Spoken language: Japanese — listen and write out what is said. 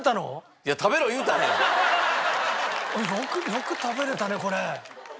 よく食べれたねこれ。